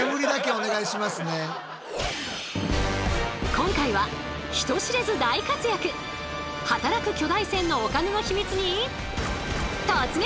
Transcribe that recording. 今回は人知れず大活躍働く巨大船のお金のヒミツに突撃！